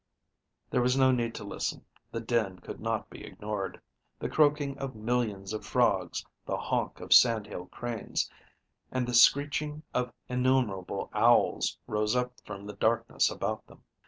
There was no need to listen the din could not be ignored. The croaking of millions of frogs, the honk of sand hill cranes, and the screeching of innumerable owls rose up from the darkness about them.